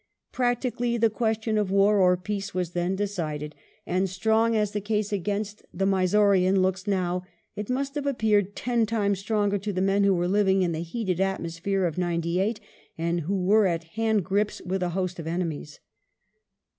Practically, the question of war or peace was then decided ; and strong as the case against the Mysorean looks now, it must have appeared ten times stronger to the men who were living in the heated atmosphere of '98, and who were at hand grips with a host of enemies.